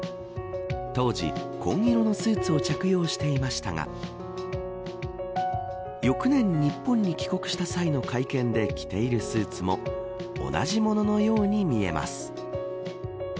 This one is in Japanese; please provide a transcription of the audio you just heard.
当時、紺色のスーツを着用していましたが翌年、日本に帰国した際の会見で着ているスーツも同じもののように見えます。